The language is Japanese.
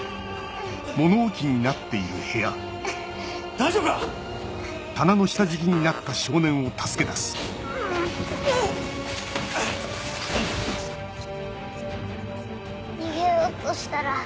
大丈夫か⁉逃げようとしたら。